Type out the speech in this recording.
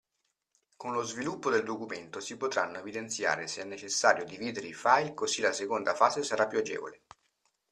Con lo sviluppo del documento si potranno evidenziare se è necessario dividere i file così la seconda fase sarà più agevole.